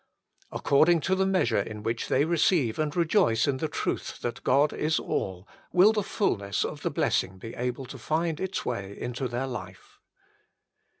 According to the measure in which they receive and rejoice in the truth that God is all, will the fulness of the blessing be able to find its way into their life.